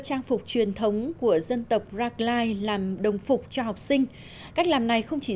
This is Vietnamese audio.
trang phục truyền thống của dân tộc rackline làm đồng phục cho học sinh cách làm này không chỉ